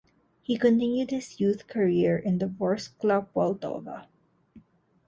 He continued his youth career in the Vorskla Poltava.